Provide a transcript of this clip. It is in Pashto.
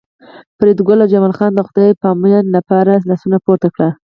فریدګل او جمال خان د خدای پامانۍ لپاره لاسونه پورته کړل